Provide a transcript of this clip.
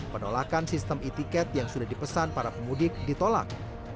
penolakan sistem e ticket yang sudah dipesan para pemudik ditolak